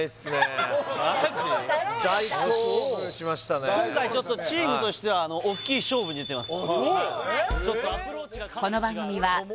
ああそう今回ちょっとチームとしては大きい勝負に出てます